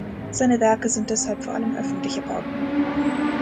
Seine Werke sind deshalb vor allem öffentliche Bauten.